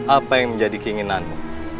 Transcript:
apa yang menjadi keinginanmu